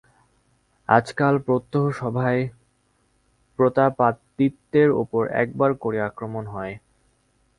আজকাল প্রত্যহ সভায় প্রতাপাদিত্যের উপর একবার করিয়া আক্রমণ হয়।